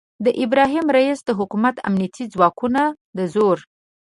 د ابراهیم رئیسي د حکومت امنیتي ځواکونو د زور